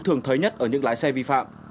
thường thấy nhất ở những lái xe vi phạm